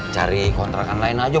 cari kontrakan lain aja